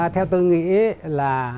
theo tôi nghĩ là